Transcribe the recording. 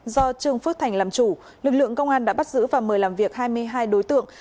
do trương phước thành làm chủ lực lượng công an đã bắt giữ và mời làm việc hai mươi hai đối tượng